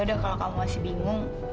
udah kalau kamu masih bingung